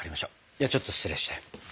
ではちょっと失礼して。